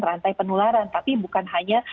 rantai penularan tapi bukan hanya